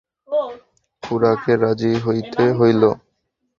খুড়াকে রাজি হইতে হইল।